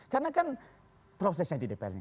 karena kan prosesnya di dpr nya